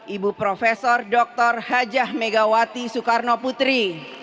ibu profesor dr hajah megawati soekarnoputri